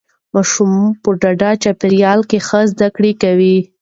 ماشوم په ډاډه چاپیریال کې ښه زده کړه کوي.